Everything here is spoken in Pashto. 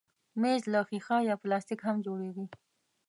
مېز له ښيښه یا پلاستیک هم جوړېږي.